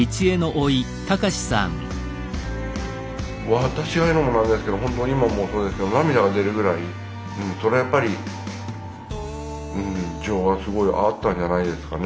私が言うのもなんですけど本当に今もそうですけど涙が出るぐらいそれはやっぱり情がすごいあったんじゃないですかね。